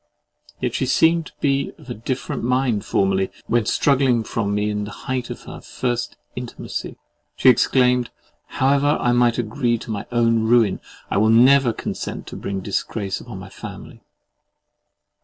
Yet she seemed to be of a different mind formerly, when struggling from me in the height of our first intimacy, she exclaimed—"However I might agree to my own ruin, I never will consent to bring disgrace upon my family!"